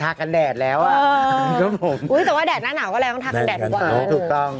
๒๑ทากันแดดแล้วอ่ะโอ๊ยแต่ว่าแดดหน้าหนาวก็แล้วต้องทากันแดดกว่าถูกต้อง